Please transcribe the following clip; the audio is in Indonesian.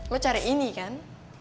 lo cari ini kan